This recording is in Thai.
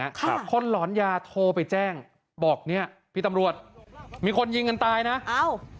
ครับคนหลอนยาโทรไปแจ้งบอกเนี้ยพี่ตำรวจมีคนยิงกันตายนะเอ้า